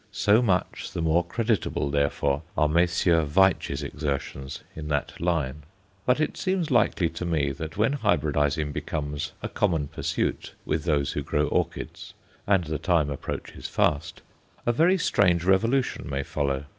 So much the more creditable, therefore, are Messrs. Veitch's exertions in that line. But it seems likely to me that when hybridizing becomes a common pursuit with those who grow orchids and the time approaches fast a very strange revolution may follow.